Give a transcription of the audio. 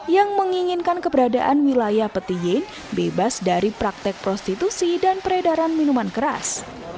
yang menginginkan keberadaan wilayah petiin bebas dari praktek prostitusi dan peredaran minuman keras